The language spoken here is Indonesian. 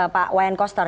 pak wayan koster